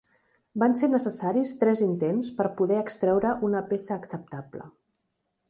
Van ser necessaris tres intents per poder extraure una peça acceptable.